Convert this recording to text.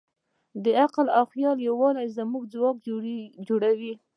د عقل او خیال یووالی زموږ ځواک جوړوي.